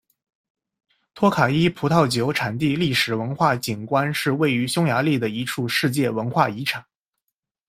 托卡伊葡萄酒产地历史文化景观是位于匈牙利的一处世界文化遗产。